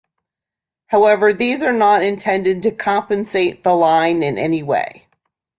However, these are not intended to compensate the line in any way.